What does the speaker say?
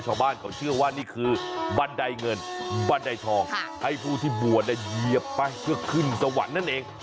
ชาวบ้านเขาเชื่อว่านี่คือบันไดเงินบันไดทองให้ผู้ที่บวชเหยียบไปเพื่อขึ้นสวรรค์นั่นเอง